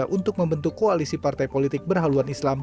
untuk membentuk koalisi partai politik berhaluan islam